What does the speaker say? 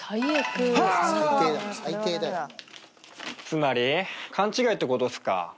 つまり勘違いってことっすか。